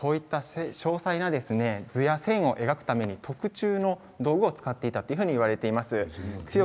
詳細な図や線を描くために特注の道具を使っていたといわれています。